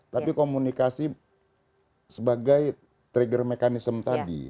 tapi komunikasi sebagai trigger mechanism tadi